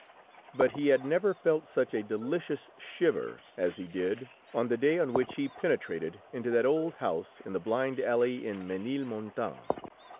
But he had never felt such a delicious shiver as he did on the day on which he penetrated into that old house in the blind alley in Ménilmontant.